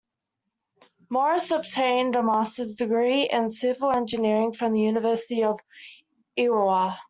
Morris obtained a master's degree in civil engineering from the University of Iowa.